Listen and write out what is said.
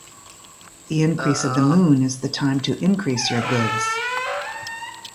The increase of the moon is the time to increase your goods.